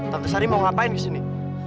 tante sari mau ngapain di sini